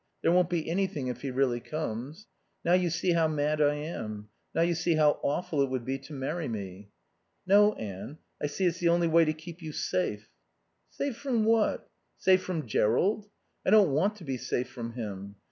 There won't be anything if he really comes...Now you see how mad I am. Now you see how awful it would be to marry me." "No, Anne. I see it's the only way to keep you safe." "Safe from what? Safe from Jerrold? I don't want to be safe from him.